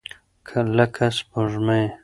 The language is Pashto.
لکه سپوږمۍ.